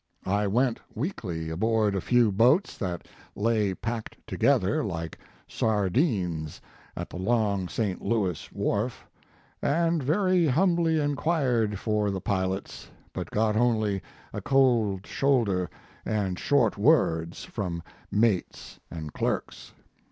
I went meekly aboard a few boats that lay packed together like sardines at the long St. Louis wharf, and very humbly in quired for the pilots, but got only a cold shoulder and short words from mates and clerks.